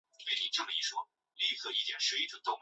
黄香草木樨是一种豆科植物。